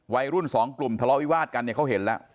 วัยรุ่นสองกลุ่มทะเลาะวิวาสกันเนี่ยเขาเห็นแล้ว